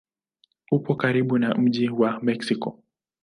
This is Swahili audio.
Upo karibu na mji wa Meksiko.